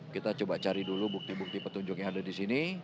kita coba cari dulu bukti bukti petunjuk yang ada di sini